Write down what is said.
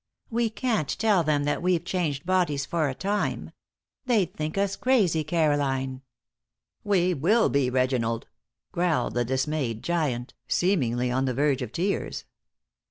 We can't tell them that we've changed bodies for a time. They'd think us crazy, Caroline." "We will be, Reginald," growled the dismayed giant, seemingly on the verge of tears.